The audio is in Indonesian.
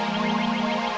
itu hal yang mudah untukku